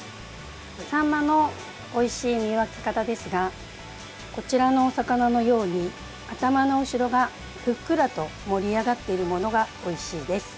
サンマのおいしい見分け方ですがこちらのお魚のように頭の後ろが、ふっくらと盛り上がっているものがおいしいです。